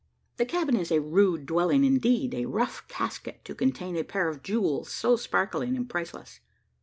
The cabin is a rude dwelling indeed a rough casket to contain a pair of jewels so sparkling and priceless.